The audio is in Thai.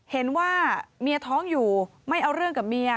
เห็นว่าเมียท้องอยู่ไม่เอาเรื่องกับเมีย